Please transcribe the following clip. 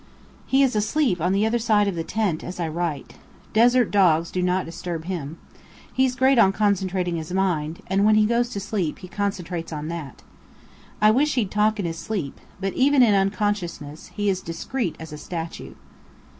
He is asleep on the other side of the tent as I write. Desert dogs do not disturb him. He's great on concentrating his mind, and when he goes to sleep he concentrates on that. I wish he'd talk in his sleep! But even in unconsciousness, he is discreet as a statue.